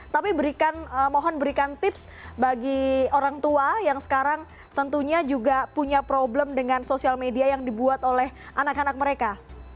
tapi mohon berikan tips bagi orang tua yang sekarang tentunya juga punya problem dengan sosial media yang dibuat oleh anak anak mereka